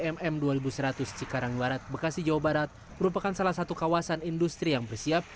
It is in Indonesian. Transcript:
merupakan salah satu kawasan industri yang bersiap